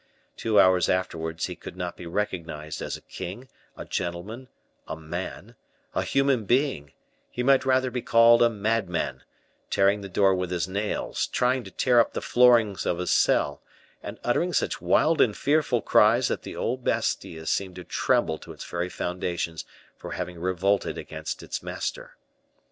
Two hours afterwards he could not be recognized as a king, a gentleman, a man, a human being; he might rather be called a madman, tearing the door with his nails, trying to tear up the flooring of his cell, and uttering such wild and fearful cries that the old Bastile seemed to tremble to its very foundations for having revolted against its master.